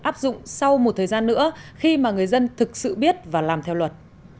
áp dụng sau một thời gian nữa khi mà người dân thực sự biết và làm theo luật